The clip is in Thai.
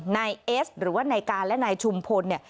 นายเอสหรือว่านายการและนายชุมพลเนี่ย